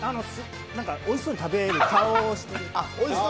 おいしそうに食べる顔をしている。